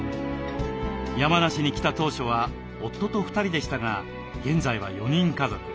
山梨に来た当初は夫と２人でしたが現在は４人家族。